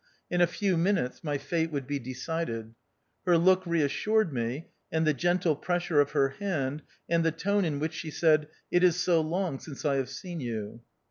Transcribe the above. In a few minutes my fate would be decided. Her look reassured me, and the gentle pressure of her hand, and the tone in which she said, "It is so long since I have seen you."